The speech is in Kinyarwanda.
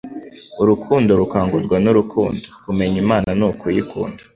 Urukundo rukangurwa n'urukundo. Kumenya Imana ni ukuyikunda;